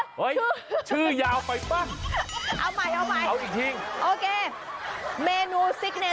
เฮ้ยชื่อยาวไปป่ะเอาใหม่เอาใหม่เอาจริงจริงโอเค